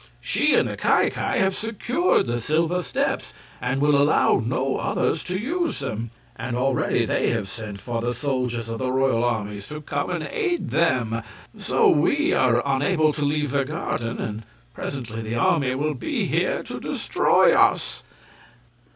She and the Ki Ki have secured the silver steps and will allow no others to use them; and already they have sent for the soldiers of the royal armies to come and aid them. So we are unable to leave the garden, and presently the army will be here to destroy us."